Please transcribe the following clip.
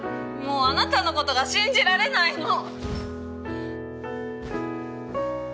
もうあなたのことが信じられないの！